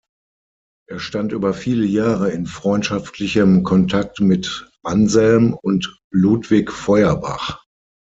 Er stand über viele Jahre in freundschaftlichem Kontakt mit Anselm und Ludwig Feuerbach.